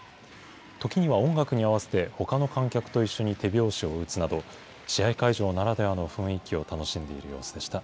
時には音楽に合わせて、ほかの観客と一緒に手拍子を打つなど、試合会場ならではの雰囲気を楽しんでいる様子でした。